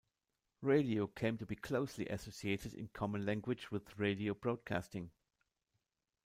Radio came to be closely associated in common language with radio broadcasting.